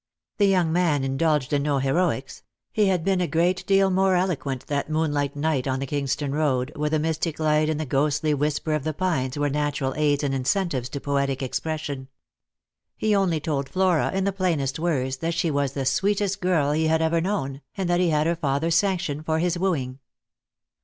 The young man indulged in no heroics — he had been a great deal more eloquent that moonlight night on the Kingston road, where the mystic light and the ghostly whisper of the pines were natural aids and incentives to poetic expression. He only told Flora in the plainest words that she was the sweetest girl he had ever known, and that he had her father's sanction for his wooing.